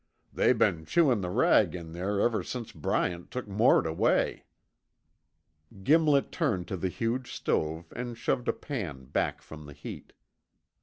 They been chewin' the rag in there ever since Bryant took Mort away." Gimlet turned to the huge stove and shoved a pan back from the heat.